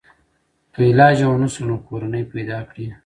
که علاج یې ونشو نو کورنۍ پیدا کړي.